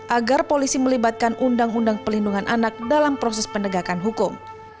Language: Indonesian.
agar polisi melibatkan undang undang pelindungan anak dalam proses penegakan hukum